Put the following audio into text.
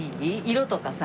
色とかさ。